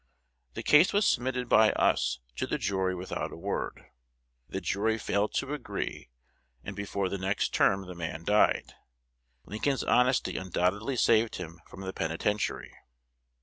The case was submitted by us to the jury without a word. The jury failed to agree; and before the next term the man died. Lincoln's honesty undoubtedly saved him from the penitentiary.